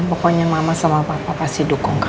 pokoknya mama sama papa pasti dukung kamu ya